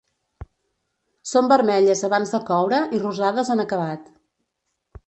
Són vermelles abans de coure i rosades en acabat.